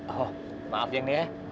oh maaf neng ya